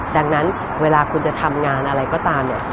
ดังนั้นเวลาคุณจะทำงานอะไรก็ตามเนี่ย